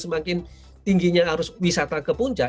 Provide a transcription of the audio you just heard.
semakin tingginya arus wisata ke puncak